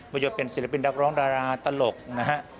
ประโยชน์เป็นศิลปินดักร้องดาราตลกนะครับ